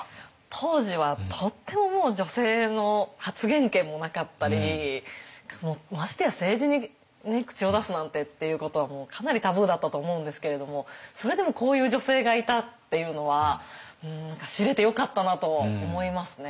当時はとってももう女性の発言権もなかったりましてや政治に口を出すなんてっていうことはもうかなりタブーだったと思うんですけれどもそれでもこういう女性がいたっていうのは何か知れてよかったなと思いますね。